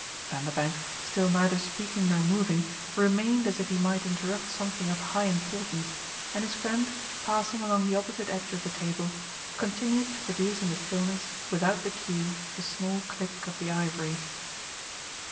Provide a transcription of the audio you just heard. Vanderbank, still neither speaking nor moving, remained as if he might interrupt something of high importance, and his friend, passing along the opposite edge of the table, continued to produce in the stillness, without the cue, the small click of the ivory.